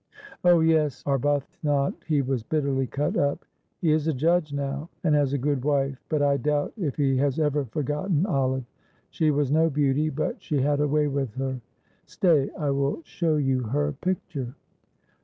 "Oh, yes, Arbuthnot; he was bitterly cut up. He is a judge now, and has a good wife, but I doubt if he has ever forgotten Olive. She was no beauty, but she had a way with her. Stay I will show you her picture."